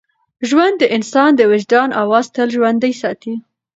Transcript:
ژوند د انسان د وجدان اواز تل ژوندی ساتي.